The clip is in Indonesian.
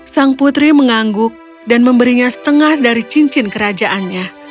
sang putri mengangguk dan memberinya setengah dari cincin kerajaannya